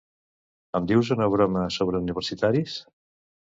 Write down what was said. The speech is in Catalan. Em dius una broma sobre universitaris?